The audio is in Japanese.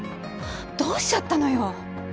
どうしちゃったのよ。